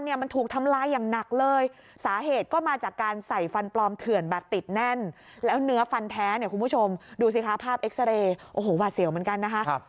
เอ็กซ์เรย์โอ้โหหวาเสี่ยวเหมือนกันนะคะ